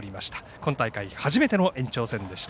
今大会、初めての延長戦でした。